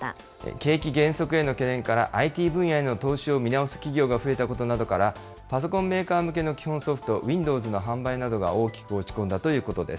景気減速への懸念からＩＴ分野への投資を見直す企業が増えたことなどから、パソコンメーカー向けの基本ソフト、ウィンドウズなどの販売が大きく落ち込んだということです。